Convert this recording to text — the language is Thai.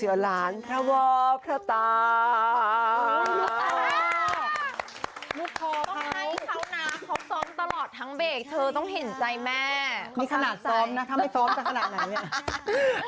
มีขนาดซ้อมนะถ้าไม่ซ้อมจะขนาดไหนเนี่ย